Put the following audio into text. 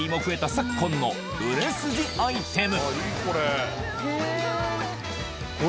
昨今の売れ筋アイテム